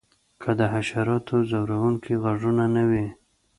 که د حشراتو ځورونکي غږونه نه وی